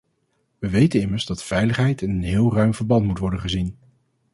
We weten immers dat veiligheid in een heel ruim verband moet worden gezien.